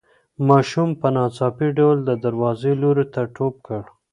ماشوم په ناڅاپي ډول د دروازې لوري ته ټوپ کړ.